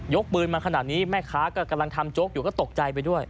กปืนมาขนาดนี้แม่ค้าก็กำลังทำโจ๊กอยู่ก็ตกใจไปด้วย